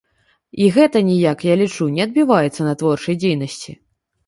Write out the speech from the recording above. І гэта ніяк, я лічу, не адбіваецца на творчай дзейнасці.